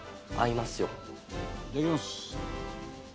いただきます。